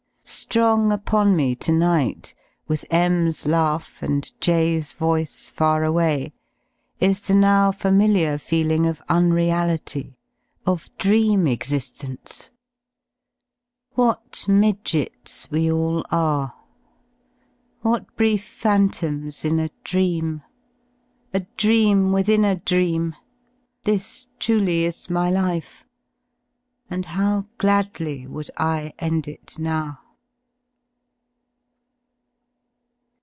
Strong upon me to night, with M 's laugh and J 's voice far away, is the now familiar feeling of unreality, of dream exigence. What m idget s we all are, what brief phantoms in a ~ 48 ^ dream — a dream within a dream, this truly is my life, and how gladl^;^quld J[^nd it now.